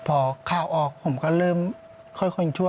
พอข้าวออกผมก็เริ่มค่อยชั่ว